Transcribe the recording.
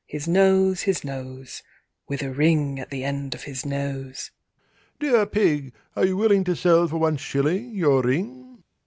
His nose, His nose, With a ring at the end of his nose. III. "Dear Pig, are you willing to sell for one shilling Your ring?"